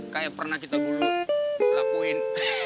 kayak pernah kita dulu lakuin